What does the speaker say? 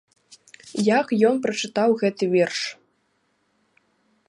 Як ён прачытаў гэты верш?